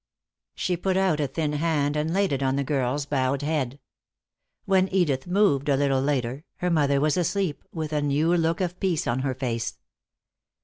She put out a thin hand and laid it on the girl's bowed head. When Edith moved, a little later, her mother was asleep, with a new look of peace on her face.